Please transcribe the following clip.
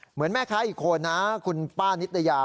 เหมือนแม่ค้าอีกคนนะคุณป้านิตยา